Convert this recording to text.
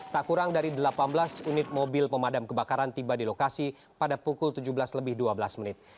tak kurang dari delapan belas unit mobil pemadam kebakaran tiba di lokasi pada pukul tujuh belas lebih dua belas menit